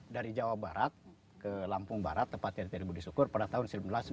dari jawa barat ke lampung barat tempatnya tribu disukur pada tahun seribu sembilan ratus sembilan puluh satu